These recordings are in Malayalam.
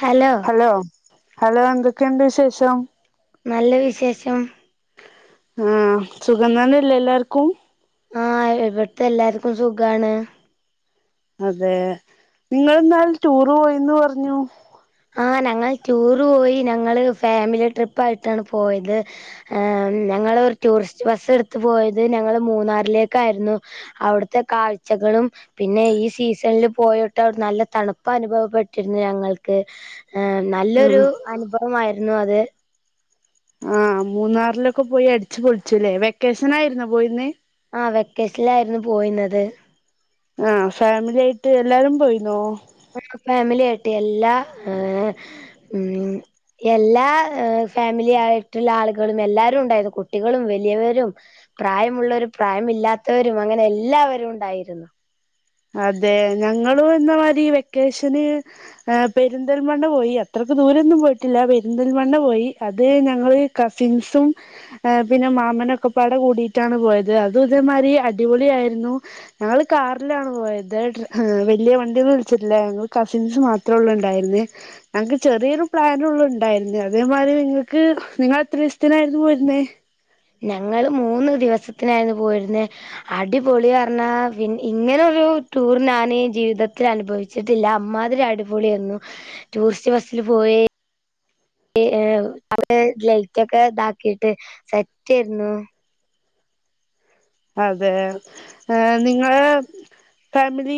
ഹലോ ഹലോ ഹലോ എന്തൊക്കെണ്ട് വിശേഷം നല്ല വിശേഷം ആഹ് സുഖനന്നല്ലേ എല്ലാർക്കും ആഹ് ഇവിടുത്തെ എല്ലാർക്കും സുഗാണ് അതെ നിങ്ങള്ന്നാള് ടൂറ് പോയിന്ന് പറഞ്ഞു ആഹ് ഞങ്ങൾ ടൂർ പോയി ഞങ്ങള് ഫാമിലി ട്രിപ്പായിട്ടാണ് പോയത് എഹ് ഞങ്ങള് ഒരു ടൂറിസ്റ്റ് ബസ്സ് ഇട്ത്ത് പോയത് ഞങ്ങള് മൂന്നാറിലേക്കായിരുന്നു അവ്ട്ത്തെ കാഴ്ചകളും പിന്നെ ഈ സീസണില് പോയോട്ട് അവടെ നല്ല തണുപ് അനുഭവപ്പെട്ടിരുന്നു ഞങ്ങൾ ക്ക് നല്ലൊരു ആഹ് അനുഭവമായിരുന്നു അത് ആഹ് മൂന്നാറിലൊക്കെ പോയി അടിച്ചു പൊളിച്ചുല്ലേ വെക്കേഷൻ ആയിരുന്നോ പോയിന്ന് ആഹ് വെക്കേഷനിലായിരുന്നു പോയിന്നത് ആഹ് ഫാമിലി ആയിട്ട് എല്ലാരും പോയീന്നോ വർക്ക് ഫാമിലി ആയിട്ട് എല്ലാ ഏ ഉം എല്ലാ ഫാമിലി ആയിട്ടുള്ള ആളുകളും എല്ലാരും ഉണ്ടായിരുന്നു കുട്ടികളും വലിയവരും പ്രായമുള്ളവരും പ്രായമില്ലാത്തവരും അങ്ങനെ എല്ലാവരും ഉണ്ടായിരുന്നു അതെ ഞങ്ങളു എന്ന മാതിരി വെക്കേഷന് പെരിന്തൽമണ്ണ പോയി അത്രയ്ക്ക് ദൂരൊന്നും പോയിട്ടില്ല പെരിന്തൽമണ്ണ പോയി അത് ഞങ്ങള് കസിൻസും പിന്നെ മാമനൊക്കെപ്പാടെ കൂടിയിട്ടാണ് പോയത് അത് ഇതേമാതിരി അടിപൊളി ആയിരുന്നു ഞങ്ങള് കാർ ലാണ് പോയത് ട്ര വലിയ വണ്ടിയൊന്നും വിളിച്ചിട്ടില്ലാരുന്നു കസിൻസ് മാത്രം ഉള്ളു ഉണ്ടായിരുന്നെ ഞങ്ങക്ക് ചെറിയൊരു പ്ലാനുള്ള് ഉണ്ടായിരുന്നു അതേമാതിരി നിങ്ങൾക്ക് നിങ്ങ എത്ര ദിവസത്തിനായിരുന്നു പോയിര്ന്നേ ഞങ്ങള് മൂന്ന് ദിവസത്തിനായിരുന്നു പോയിര്ന്നെ അടിപൊളി അർണാ പിൻ ഇങ്ങനൊരു ടൂർ ഞാൻ ഈ ജീവിതത്തിൽ അനുഭവിച് ച്ചിട്ടില്ല അമ്മാതിരി അടിപൊളി അരുന്നു. ടൂറിസ്റ്റ് ബസ്സിൽ പോയി അവിടെ ലൈറ്റ് ഒക്കെ ഇതാക്കീട്ട് സെറ്റ് അയിരുന്നു അതെ ഏഹ് നിങ്ങള് ഫാമിലി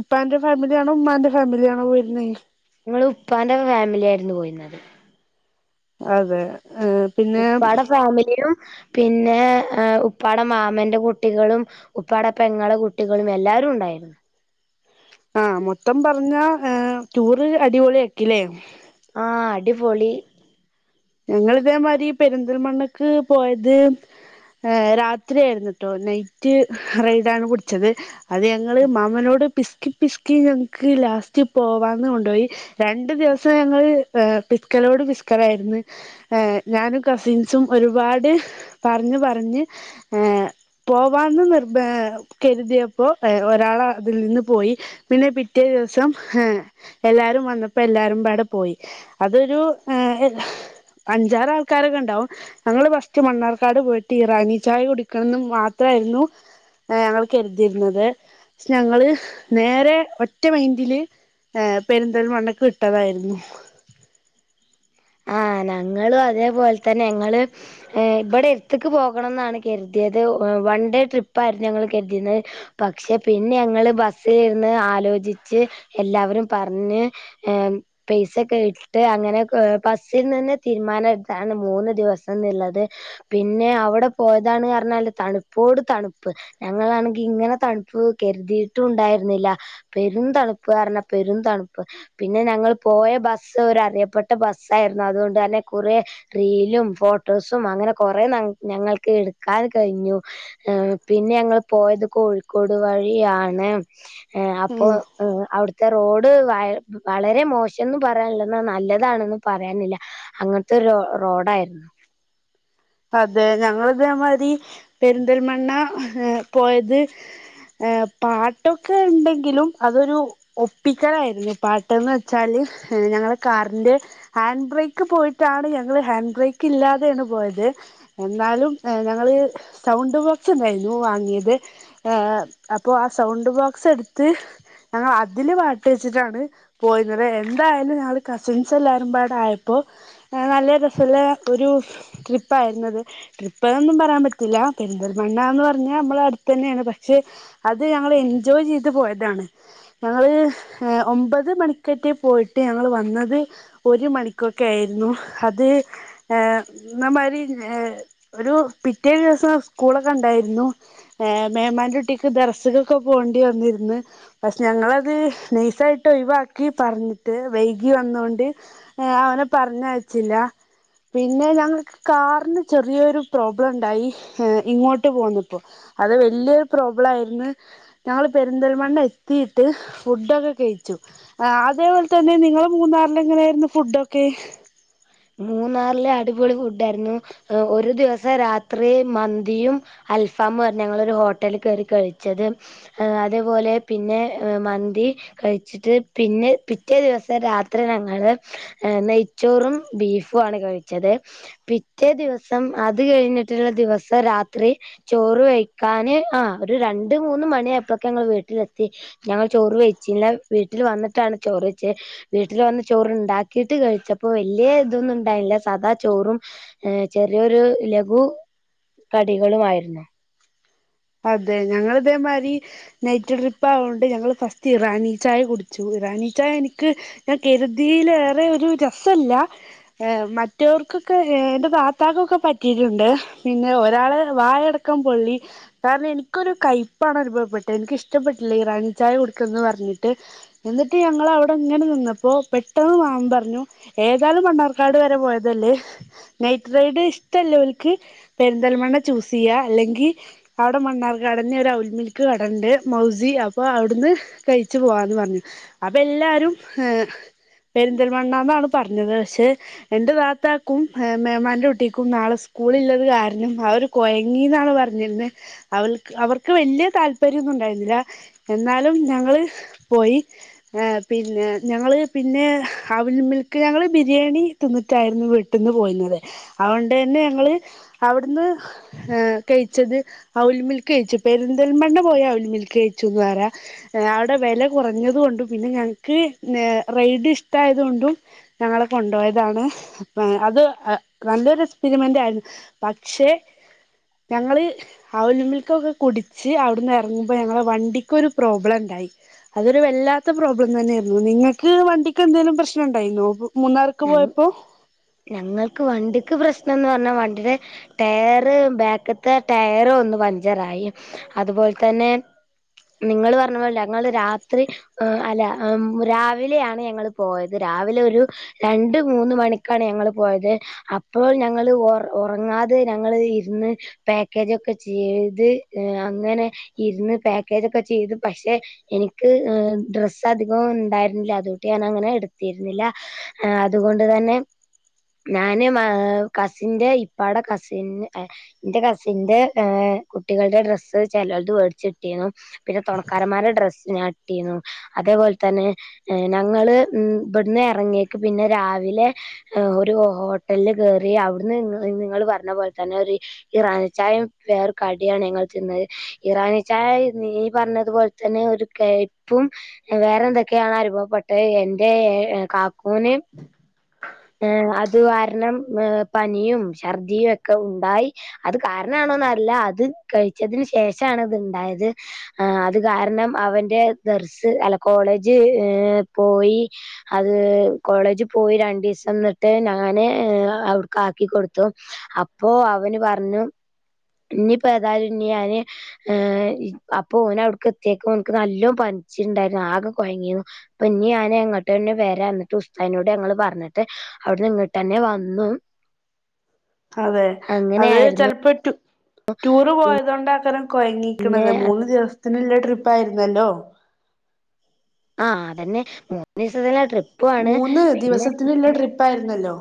ഇപ്പാന്റെ ഫാമിലിയാണോ ഉമ്മാന്റെ ഫാമിലി ആണോ പോയിരുന്നെ ങ്ങള് ഉപ്പാന്റെ ഫാമിലി ആയിരുന്നു പോയിരുന്നത് അതെ ആഹ് ഉപ്പാടെ ഫാമിലിയും പിന്നേ ഉപ്പാടെ മാമന്റെ കുട്ടികളും ഉപ്പാടെ പെങ്ങള് കുട്ടികളും എല്ലാവരും ഉണ്ടായിരുന്നു ആഹ് മൊത്തം പറഞ്ഞാ ടൂറ് അടിപൊളി ആക്കീല്ലേ ആഹ് അടിപൊളി ഞങ്ങള് ഇതേമാതിരി പെരിന്തൽമണ്ണക്ക് പോയത് ഏഹ് രാത്രിയായിരുന്നുട്ടോ നൈറ്റ് റൈഡ് ആണ് പിടിച്ചത് അത് ഞങ്ങള് മാമനോട് പിസ്കി പിസ്കി ഞങ്ങക്ക് ലാസ്റ്റ് പോവാന്ന് കൊണ്ടുപോയി രണ്ടു ദിവസം ഞങ്ങള് പിസ്കലോട് പിസ്കലായിരുന്നു ഏഹ് ഞാനും കസിൻസും ഒരുപാട് പറഞ്ഞു പറഞ്ഞ് ഏഹ് പോവാന്ന് നിർബ കരുതിയപ്പോ ഒരാൾ അതിൽ നിന്ന് പോയി പിന്നെ പിറ്റേ ദിവസം ഹ് എല്ലാരും വന്നപ്പോ എല്ലാരും ബാടെ പോയി അതൊരു ഏഹ് അഞ്ചാറാൾക്കാരൊക്കെ ഉണ്ടാവും ഞങ്ങള് ഫസ്റ്റ് മണ്ണാർക്കാട് പോയിട്ട് ഇറാനി ചായ കുടിക്കണംന്ന് മാത്രമായിരുന്നു ഞങ്ങൾ കരുതിരുന്നത്, പക്ഷെ ഞങ്ങള് നേരെ ഒറ്റ മൈന്റില് ഏഹ് പെരുന്തൽമണ്ണക്ക് വിട്ടതായിരുന്നു ആഹ് ഞങ്ങളും അതേപോലെ തന്നെ ഞങ്ങള് ഇവിടെ എടുത്തിക്ക് പോകണം എന്നാണ് കരുതിയത്, വൺ ഡേ ട്രിപ്പായിരുന്നു ഞങ്ങൾ കരുതിരുന്നത് പക്ഷെ പിന്നെ ഞങ്ങള് ബസ്സിൽ ഇരുന്ന് ആലോചിച്ച് എല്ലാവരും പറഞ്ഞ് ഏഹ് പൈസൊക്കെ ഇട്ട് അങ്ങനെ കൊ ബസ്സിൽ നിന്ന് തിരുമാനം എടുത്താണ് മൂന്ന് ദിവസം എന്നുള്ളത് പിന്നെ അവിടെ പോയതാണ് പറഞ്ഞാല് തണുപ്പോട് തണുപ്പ് ഞങ്ങളാണെങ്കി ഇങ്ങനെ തണുപ്പ് കരുതിയിട്ടും ഉണ്ടായിരുന്നില്ല പെരും തണുപ്പ് കാരണ പെരും തണുപ്പ്. പിന്നെ ഞങ്ങൾ പോയ ബസ് ഒരു അറിയപ്പെട്ട ബസ് സ്സായിരുന്നു അതുകൊണ്ട് തന്നെ കുറേ റീലും ഫോട്ടോസും അങ്ങനെ കൊറെ നങ്‌ ഞങ്ങൾക്ക് എടുക്കാൻ കഴിഞ്ഞു ഏഹ് പിന്നെ ഞങ്ങള് പോയത് കോഴിക്കോട് വഴിയാണ് അപ്പൊ ഉം എഹ് അവിടുത്തെ റോഡ് വ വളരെ മോശംന്ന് പറയാനില്ല എന്നാ നല്ലതാണെന്നും പറയാനില്ല അങ്ങനത്തൊരു റൊ റോഡായിരുന്നു അതെ ഞങ്ങള് ഇതേമാരി പെരിന്തൽമണ്ണ ഏ പോയത് ഏ പാട്ടൊക്കെ ഉണ്ടെങ്കിലും അതൊരു ഒപ്പിക്കലായിരുന്നു, പാട്ടന്ന് വെച്ചാല് ഞങ്ങളെ കാറിന്റെ ഹാൻഡ് ബ്രേക്ക് പോയിട്ടാണ് ഞങ്ങൾ ഹാൻഡ് ബ്രേക്ക് ഇല്ലാതെയാണ് പോയത് എന്നാലും ഞങ്ങള് സൗണ്ട് ബോക്സ് ഉണ്ടായിരുന്നു വാങ്ങിയത് ഏ അപ്പോ ആ സൗണ്ട് ബോക്സ് എടുത്ത് ഞങ്ങൾ അതില് പാട്ട് വെച്ചിട്ടാണ് പോയിരുന്നത്. എന്തായാലും ഞങ്ങള് കസിൻസ് എല്ലാവാരുംപാട ആയപ്പോ നല്ല രസോള്ള ഒരു ട്രിപ്പ് ട്രിപ്പായിരുന്നത്. ട്രിപ്പ് എന്നൊന്നും പറയാൻ പറ്റില്ല, പെരിന്തൽമണ്ണ എന്ന് പറഞ്ഞാ നമ്മള അടുത്ത് തന്നെയാണ് പക്ഷെ അത് ഞങ്ങള് എൻജോയ് ചെയ്ത് പോയതാണ് ഞങ്ങള് ഒമ്പത് മണിക്കറ്റെ പോയിട്ട് ഞങ്ങള് വന്നത് ഒരു മണിക്കൊക്കെ ആയിരുന്നു അത് നമാരി ഒരു പിറ്റേ ദിവസം സ്കൂളൊക്കെ ഉണ്ടായിരുന്നു മേമാന്റെകുട്ടിക്ക് ദറസഖൊക്കെ പോകേണ്ടി വന്നിരുന്ന് പക്ഷേ ഞങ്ങളത് നെയസായിട്ട് ഒഴിവാക്കി പറഞ്ഞിട്ട് വൈകി വന്നൊണ്ട് ഏഹ് അവനെ പറഞ്ഞയച്ചില്ല. പിന്നെ ഞങ്ങ കാറിന് ചെറിയൊരു പ്രോബ്ലം ഉണ്ടായി ഇങ്ങോട്ട് പോന്നപ്പോ. അത് വല്ല്യ ഒര് പ്രോബ്ലം ആയിര്ന്ന്. ഞങ്ങള് പെരിന്തൽമണ്ണ എത്തിയിട്ട് ഫുഡൊക്കെ കെഴിച്ചു. ആഹ് അതേപോലെ തന്നെ നിങ്ങള് മൂന്നാറിൽ എങ്ങനെയായിരുന്നു ഫുഡൊക്കെ. മൂന്നാറില് അടിപൊളി ഫുഡായിരുന്നു ഒരു ദിവസം രാത്രി മന്തിയും. അൽഫാം പറഞ്ഞ ഞങ്ങളൊരു ഹോട്ടല് കേറി കഴിച്ചത്. അതേപോലെ പിന്നെ മന്തി കഴിച്ചിട്ട് പിന്നെ പിറ്റേ ദിവസം രാത്രി ഞങ്ങള് നെയ്ച്ചോറും. ബീഫും ആണ് കഴിച്ചത്. പിറ്റേ ദിവസം അത് കഴിഞ്ഞിട്ട്ള്ള ദിവസം രാത്രി. ചോറ് കഴിക്കാന് ആ ഒരു രണ്ട് മൂന്ന് മണി ആയപ്പോക്ക് ഞങ്ങള് വീട്ടിലെത്തി. ഞങ്ങള് ചോറ് വെയ്ച്ചില്ല. വീട്ടിൽ വന്നിട്ടാണ് ചോറ് വെച്ചെ. വീട്ടിൽ വന്ന് ചോറ് ഇണ്ടാക്കീട്ട് കഴിച്ചപ്പോ ല്യേ ഇതൊന്നും ഇണ്ടായില്ല. സദാ ചോറും ചെറിയൊരു ലഘു കടികളു വായിരുന്നു അതെ ഞങ്ങള് ഇതേമാതിരി. നൈറ്റ് ട്രിപ്പ് ആയോണ്ട് ഞങ്ങൾ ഫസ്റ്റ് ഇറാനി ചായ കുടിച്ചു. ഇറാനി ചായ എനിക്ക്. ഞാൻ കരുതീലേറെ ഒരു രസല്ല ഏ മറ്റവർക്കൊക്കെ എന്റെ വാപ്പാക്കൊക്കെ പറ്റിയിട്ടുണ്ട് പിന്നെ ഒരാള് വായട ക്കം പൊള്ളി കാര്ണം എനിക്കൊരു കയപ്പാണ്നുഭവപ്പെട്ടത്. എനിക്കിഷ്ടപ്പെട്ടില്ല ഈറാനി ചായ കുടിക്കുന്ന് പറഞ്ഞിട്ട്. എന്നിട്ട് ഞങ്ങള് അവിടെ ഇങ്ങനെ നിന്നപ്പോ പെട്ടെന്ന് മാമൻ പറഞ്ഞു. ഏതാലും മണ്ണാർക്കാട് വരെ പോയതല്ലേ. നൈറ്റ് റൈഡ് ഇഷ്ടല്ലോൽക്ക് പെരിന്തൽമണ്ണ ചൂസ് ചെയ്യാ അല്ലെങ്കി. ഔടെ മണ്ണാർകാടെന്നെ ഒരു ഔൽ മിൽക്ക് കട ഇണ്ട്. മൗസി അപ്പൊ അവിടുന്ന്. കഴിച്ചു പോവാന്ന് പറഞ്ഞു അപ്പ എല്ലാരും ഏ പെരിന്തൽമണ്ണാന്നാണ് പറഞ്ഞത് പക്ഷെ. എന്റെ താത്താക്കും മേമാന്റെ കുട്ടിക്കും നാളെ സ്കൂള് ഇല്ലത് കാരണം അവര്. കോഴങ്ങീന്നാണ് പറഞ്ഞിരുന്നെ അവൾക്ക് അവർക്ക് വെല്യ താല്പര്യംന്നും ഉണ്ടായിരുന്നില്ല. എന്നാലും ഞങ്ങള് പോയി. പിന്നെ ഞങ്ങള് പിന്നെ അവിൽ മിൽക്ക് ഞങ്ങള് ബിരിയാണി തിന്ന്ട്ടായിരുന്നു വീട്ടിന്ന് പോയിന്യേത്. അതോണ്ട് തന്നെ ഞങ്ങള് അവിട്ന്ന് ഏഹ് കെഴിച്ചത് ഔൽമിൽക്ക് കഴിച്ചു. പെരിന്തൽമണ്ണ പോയാ ഔൽ മിൽക്ക് കഴിച്ചുന്ന് പറ്യ. ഔടെ വെല കുറഞ്ഞതു ഉണ്ട്. പിന്നെ ഞങ്ങക്ക് ഏ റെയ്ഡ് ഇഷ്ടായത് കൊണ്ടും ഞങ്ങളെ കൊണ്ടോയതാണ് അ അത് നല്ലൊരു എക്സ്പെരിമെന്റ് ആയിരുന്നു. പക്ഷെ ഞങ്ങള് ആ അവിൽ മിൽക്ക് ഒക്കെ കുടിച്ച് അവിട്ന്ന് എറങ്ങുമ്പ ഞങ്ങളെ വണ്ടിക്ക് ഒരു പ്രോബ്ലം ഉണ്ടായി. അതൊരു വല്ലാത്ത പ്രോബ്ലം തന്നെയായിരുന്നു. നിങ്ങക്ക് വണ്ടിക്ക് എന്തെങ്കിലും പ്രശ്നം ഇണ്ടായിന്നോ. മൂന്നാർക്ക് പോയപ്പോ ഞങ്ങൾക്ക് വണ്ടിക്ക് പ്രശ്നംന്ന് പറഞ്ഞാ വണ്ടിയുടെ. ടയറ് ബാക്ക്ത്തെ ടയറ് ഒന്ന് പഞ്ചറായി. അതുപോലെ തന്നെ. നിങ്ങള് പറഞ്ഞ പോലല്ല ഞങ്ങള് രാത്രി. ആ അല്ല രാവിലെയാണ് ഞങ്ങള് പോയത്. രാവിലെ ഒരു രണ്ട് മൂന്ന് മണിക്കാണ് ഞങ്ങള് പോയത്. അപ്പോൾ ഞങ്ങള് ഒറങ്ങാതെ ഞങ്ങള് ഇരുന്ന്. പാക്കേജൊക്കെ ചെയ്ത് അങ്ങനെ ഇരുന്ന് പാക്കേജൊക്കെ ചെയ്ത് പക്ഷെ. എനിക്ക് ഡ്രസ്സ് അധികം ഉണ്ടായിരുന്നില്ല. അതൊട്ട് ഞാൻ അങ്ങനെ എടുത്തിരുന്നില്ല ആ അതുകൊണ്ട് തന്നെ ഞാന് കസിന്റെ ഇപ്പാടെ കസിന് [unintelligible] ന്റെ കസിന്റെഏ കുട്ടികളുടെ ഡ്രസ്സ് ചിലത് മേടിച്ചിട്ടിരുന്നു പിന്നെ തുണക്കാരന്മാരുടെ ഡ്രസ്ിനട്ടിു അതേപോലെ തന്നെ ഞങ്ങൾ ഉമ് ഇബടന്ന് എറങ്ങിയക്ക് പിന്നെ രാവിലെ ഒരു ഹോട്ടലില് കേറി അവിടുന്ന് നിങ്ങൾ പറഞ്ഞ പോലെ തന്നെ ഒരു ഈറനിചായം പേർ കടിയാണ് ഞങ്ങൾ തിന്നത് ഇറാനച്ചാ നീ പറഞ്ഞതു പോലെ തന്നെ ഒരു കപ്പും വേറെ എന്തൊക്കെയാണ് അനുഭവപ്പെട്ട് എന്റെ കാക്കൂന് ഏഹ് അത് കാരണം ഏ പനിയും ഛർദിയുമക്കെ ഉണ്ടായി അത് കാരണണോന്നറില്ല അത് കഴിച്ചതിന് ശേഷണ ഇത്ണ്ടായത് ആഹ് അത് കാരണം അവന്റെ ദർസ് അല്ല കോളേജ് പോയി അത് കോളേജ് പോയി രണ്ടസം ന്നിട്ട് ഞൻ അവിടുക്ക് ആക്കി കൊടുത്തു അപ്പോൊഅവന് പറഞ്ഞു ഇഞ് പെതായാലുഞ്ഞാന് ഏഹ് അപ്പൊ ഓന അവിടുക്ക് എത്തിയേക്ക ഓനക്ക് നല്ലോ പനിച്ചിട്ടുണ്ടായിരുന്നു ആകെ കുഴങ്ങിന്നു അപ്പൊ ഇനി ഞാന് എങ്ങട്ടന്നെ വരാ എന്നിട്ട് ഉസ്താിനോട് ഞങ്ങള് പറഞ്ഞിട്ട് അവിടെനിങ്ങട്ട്ന്നെ വന്നു അതെ അത് അങ്ങനെയായിരുന്നു ചിലപ്പോട്യൂ ടൂറ് പോയതണ്ട് അക്കറം പിന്നെ കൊഴങ്ങിക്കണുന്നത് മൂന്ന് ദിവസത്തിനുള്ള ട്രിപ്പ് ആയിരുന്നല്ലോ ആഹ് അതന്നെ മൂന്ന് ദിവസത്തില്ലെ ട്രിപ്പ് മൂന്ന് ദിവസത്തിനുള്ള ട്രിപ്പ ആയിരുന്നല്ലോ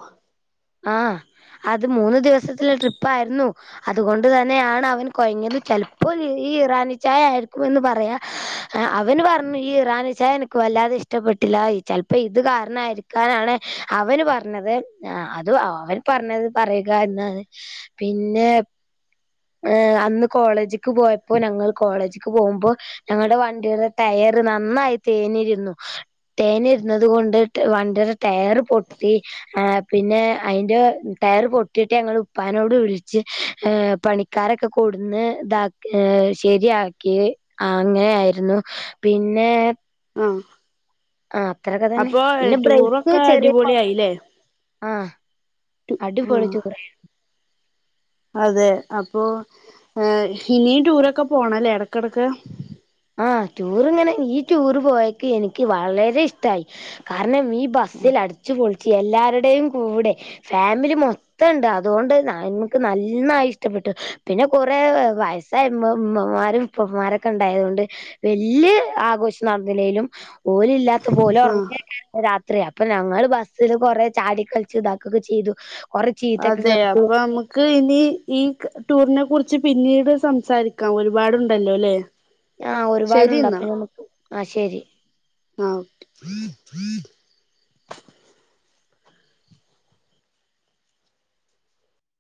ആഹ് അത് മൂന്ന് ദിവസത്തില ട്രിപ്പ ആയിരുന്നു അതുകൊണ്ട് തന്നെയാണ് അവൻ കൊയഞ്ഞത് ചിലപ്പോ ഈ ഇറാനി ചായ ആായിരിക്കു ന്ന് പറയാ അവന് പറഞ്ഞു ഈ ഇറാൻച്ചായ എനിക്ക് വല്ലാതെ ഇഷ്ടപ്പെട്ടില്ല ചിലപ്പോ ഇത് കാരണമായിരിക്കും ക്കാനാണ് അവന് പറഞ്ഞത് ആഹ് അത് അ അവൻ പറഞ്ഞത് പറയുക എന്നാണ് പിന്നെ ഏഹ് അന്ന് കോളേജിക്ക് പോയപ്പോ ഞങ്ങൾ കോളേജിക്ക് പോകുമ്പോ ഞങ്ങളുടെ വണ്ടിയുടെ ടയറ് നന്നായി തേഞ്ഞിയിരുന്നു തേൻ ഇരുന്നത് കൊണ്ട് വണ്ടിയുടെ ടയർ പൊട്ടി ആഹ് പിന്നെ അതിന്റെ ടയർ പൊട്ടിയിട്ട് ഞങ്ങൾ ഉപ്പാനോട് വിളിച്ച് പണി കക്കാരൊക്കെ കൂടുന്ന് ഇതാക്ക ശരിയാക്കി ആഹ് അങ്ങനെ ആയിരുന്നു പിന്നെ മ്മ് ആഹ് അത്രൊക്കെ തന്നെ പിന്നെ ബ്രേക്ക് ടൂറൊക്കെ ചെറിയ അടിപൊളിയായില്ലേ ആഹ് അടിപൊളി ആഹ് ടൂറെന്നു അതെ അപ്പൊ ഏഹ് ഇനിയും ടൂരൊക്കെ പോണല്ലേ ഇടക്കിടക്ക് ആഹ് ട്യൂറി ഇങ്ങനെ ഈ ടൂറ് പോയക്ക എനിക്ക് വളരെ ഇഷ്ടയി കാരണം ഈ ബസ്സിൽ അടിച്ചു പൊളിച്ചു എല്ലാവരുടെയും കൂടെ ഫാമിലി മൊ തണ്ട് അതുകൊണ്ട് എനിക്ക് നന്നായി ഇഷ്ടപ്പെട്ടു പിന്നെ കൊറെേ വയസ്സായമ്മമ്മമാരും ഉപ്പമാരൊക്കെ ഉണ്ടായതുകൊണ്ട് വല്യ ആഘോഷം നടന്നലേലും ഓൽ ഇല്ലാത്തപ്പോ ഓൽ ആഹ് ഉറങ്ങക്കാ രാത്രിയ അപ്പൊ ഞങ്ങള് ബസ്സില് കൊറെ ചാടി കളിച്ചു ഇതാക്കുകൊക്കെ ചെയ്തു കൊറേ ചീത്തൊക്കെ അതെ കേട്ടു അപ്പൊ നമുക്ക് മുക്ക് ഇനി ഈ ടൂറിനെ കുറിച്ച് പിന്നീട് സംസാരിക്കാം ഒരുപാടുണ്ടല്ലോ അല്ലേ ആഹ് ഒരുപാടുണ്ട് അപ്പൊ നമുക്ക് ആഹ് ശരി ആഹ്